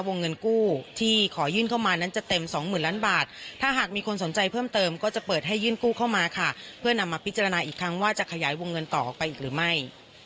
วงเงินกู้ที่ขอยื่นเข้ามานั้นจะเต็มสองหมื่นล้านบาทถ้าหากมีคนสนใจเพิ่มเติมก็จะเปิดให้ยื่นกู้เข้ามาค่ะเพื่อนำมาพิจารณาอีกครั้งว่าจะขยายวงเงินต่อออกไปอีกหรือไม่